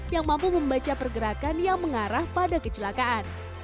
yang mampu membaca pergerakan yang mengarah pada kecelakaan